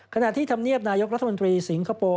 ที่ธรรมเนียบนายกรัฐมนตรีสิงคโปร์